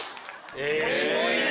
面白いね。